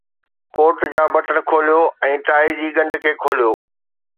ڪوٽ جا بٽڻ کوليو ۽ ٽائي جي ڳنڍ کي کوليو